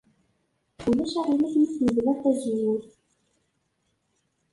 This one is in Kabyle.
Ulac aɣilif ma tmedled tazewwut?